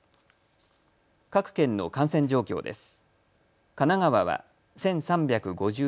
各県の感染状況です。